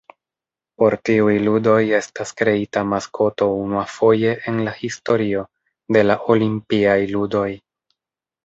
Por tiuj ludoj estas kreita maskoto unuafoje en la historio de la Olimpiaj ludoj.